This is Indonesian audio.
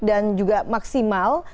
dan juga maksimal